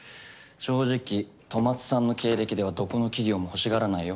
正直戸松さんの経歴ではどこの企業も欲しがらないよ？